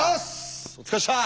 お疲れでした！